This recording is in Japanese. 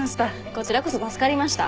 こちらこそ助かりました。